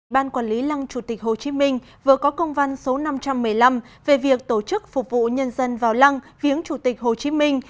ban quản lý lăng chủ tịch hồ chí minh vừa có công văn số năm trăm một mươi năm về việc tổ chức phục vụ nhân dân vào lăng viếng chủ tịch hồ chí minh